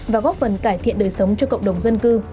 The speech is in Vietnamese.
và góp phần cải thiện đời sống cho cộng đồng dân cư